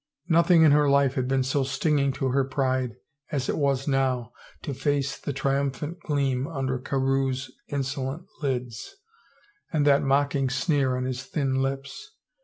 Nothing in her life had been so stinging to her pride as it was now to face the triimiphant gleam under Carewe's insolent lids, and that mocking sneer on his thin lips.